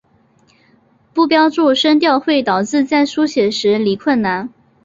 不标注声调会导致在书写时理困难。